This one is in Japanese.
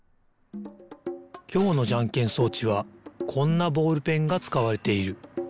きょうのじゃんけん装置はこんなボールペンがつかわれている。